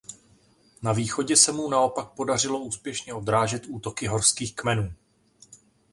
Na východě se mu naopak podařilo úspěšně odrážet útoky horských kmenů.